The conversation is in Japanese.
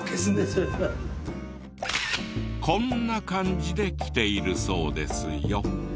こんな感じで来ているそうですよ。